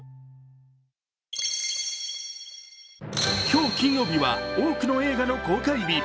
今日、金曜日は多くの映画の公開日。